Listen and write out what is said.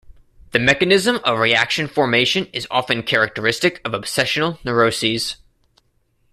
The mechanism of reaction formation is often characteristic of obsessional neuroses.